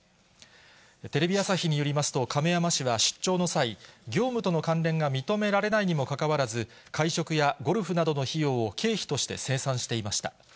テレビ朝日によりますと、亀山氏は出張の際、業務との関連が認められないにもかかわらず、会食やゴルフなどの費用を経費として精算していました。